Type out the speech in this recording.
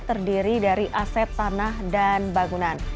terdiri dari aset tanah dan bangunan